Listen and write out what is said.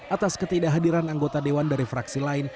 atas ketidakhadiran anggota dewan dari fraksi lain